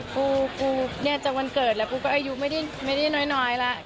ปูเนี่ยจากวันเกิดแล้วปูก็อายุไม่ได้น้อยแล้ว